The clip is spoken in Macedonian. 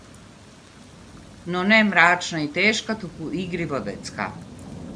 Но не мрачна и тешка, туку игриво детска.